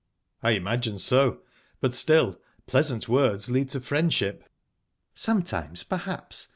"I imagine so. But, still, pleasant words lead to friendship." "Sometimes, perhaps.